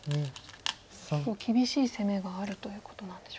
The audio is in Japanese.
結構厳しい攻めがあるということなんでしょうか。